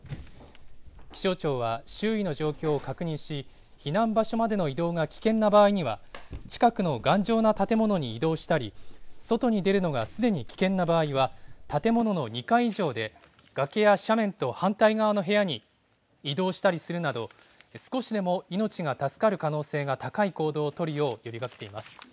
気象庁は周囲の状況を確認し、避難場所までの移動が危険な場合には、近くの頑丈な建物に移動したり、外に出るのがすでに危険な場合は、建物の２階以上で崖や斜面と反対側の部屋に移動したりするなど、少しでも命が助かる可能性が高い行動を取るよう呼びかけています。